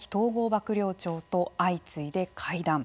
幕僚長と相次いで会談。